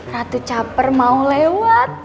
ratu caper mau lewat